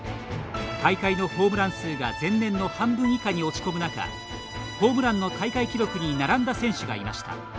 大会のホームラン数が前年の半分以下に落ち込む中ホームランの大会記録に並んだ選手がいました。